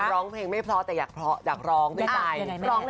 ร้องเพลงไม่เพราะแต่อยากเพราะอยากร้องด้วยใจ